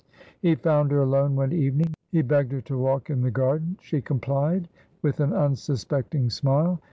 He found her alone one evening. He begged her to walk in the garden. She complied with an unsuspecting smile.